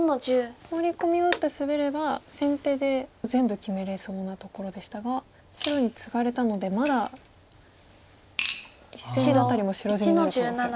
ホウリコミを打ってスベれば先手で全部決めれそうなところでしたが白にツガれたのでまだ１線の辺りも白地になる可能性があると。